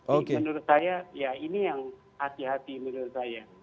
jadi menurut saya ya ini yang hati hati menurut saya